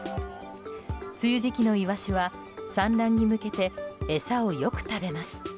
梅雨時期のイワシは産卵に向けて餌をよく食べます。